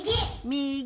みぎ！